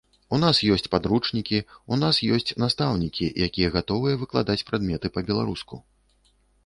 У нас ёсць падручнікі, у нас ёсць настаўнікі, якія гатовыя выкладаць прадметы па беларуску.